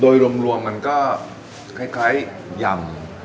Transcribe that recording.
โดยรวมมันก็คล้ายยำ